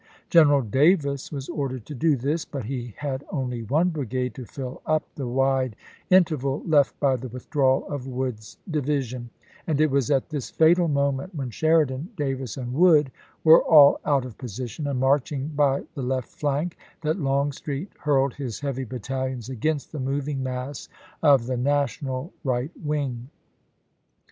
General Davis was ordered to do this, but he had only one brigade to fill up the wide in terval left by the withdrawal of Wood's division, and it was at this fatal moment, when Sheridan, Davis, and Wood were all out of position and marching by the left flank, that Longstreet hurled his heavy battalions against the moving mass of the National right wing.